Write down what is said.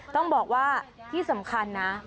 ต้องบอกว่าที่สำคัญนะ